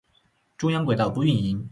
中央轨道不营运。